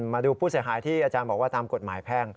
มาดูผู้เสียหายที่อาจารย์บอกว่าตามกฎหมายแพ่ง